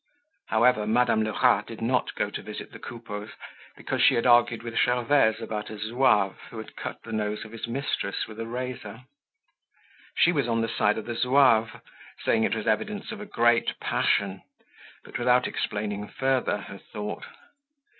However, Madame Lerat did not go to visit the Coupeaus because she had argued with Gervaise about a Zouave who had cut the nose of his mistress with a razor. She was on the side of the Zouave, saying it was evidence of a great passion, but without explaining further her thought.